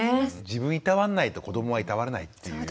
自分いたわんないと子どもはいたわれないっていう。